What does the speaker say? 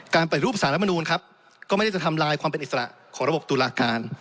ไปรูปสารมนูลครับก็ไม่ได้จะทำลายความเป็นอิสระของระบบตุลาการ